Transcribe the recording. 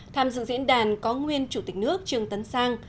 tham dự diễn đàn có nguyên chủ tịch nước trương tấn sang